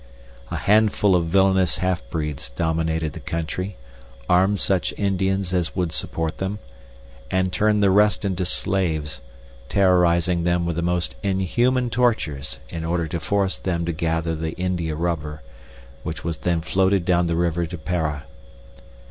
A handful of villainous half breeds dominated the country, armed such Indians as would support them, and turned the rest into slaves, terrorizing them with the most inhuman tortures in order to force them to gather the india rubber, which was then floated down the river to Para.